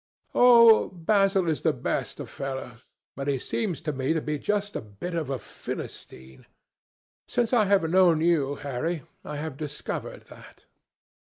"Oh, Basil is the best of fellows, but he seems to me to be just a bit of a Philistine. Since I have known you, Harry, I have discovered that."